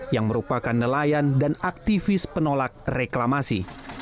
yang merupakan nelayan dan aktivis penolak reklamasi